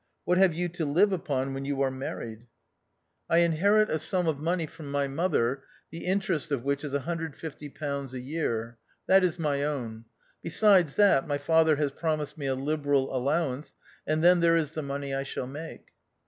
What have you to live upon when you are married?" i to THE OUTCAST. "I inherit a sum of money from my mother, the interest of which is £150 a year. That is my own. Besides that, my father has promised me a liberal allowance, and then there is the money I shall make."